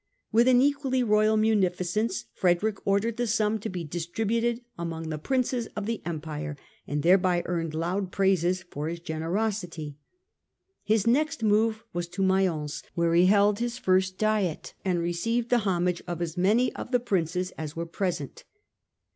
With an equally royal munificence, Frederick ordered the sum to be dis tributed among the Princes of the Empire and thereby earned loud praises for his generosity. His next move was to Mayence, where he held his first Diet and re ceived the homage of as many of the Princes as were present.